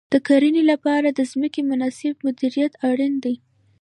د کرنې لپاره د ځمکې مناسب مدیریت اړین دی.